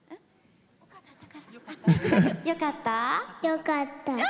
よかった。